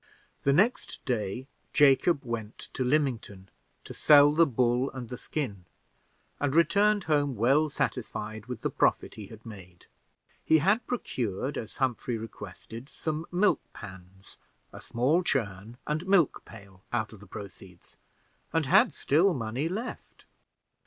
The next day Jacob went to Lymington to sell the bull and the skin, and returned home well satisfied with the profit he had made. He had procured, as Humphrey requested, some milk pans, a small churn, and milk pail out of the proceeds, and had still money left.